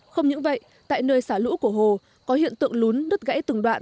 không những vậy tại nơi xả lũ của hồ có hiện tượng lún đứt gãy từng đoạn